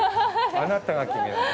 あなたが決めるの。